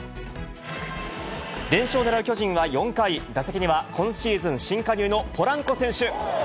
連勝をねらう巨人は、４回、打席には今シーズン新加入のポランコ選手。